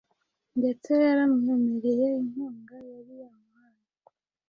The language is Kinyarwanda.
ndetse yaramwemereye inkunga – yariyamuhaye